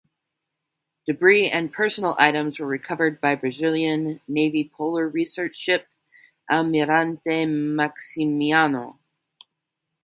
Debris and personal items were recovered by Brazilian Navy polar research ship "Almirante Maximiano".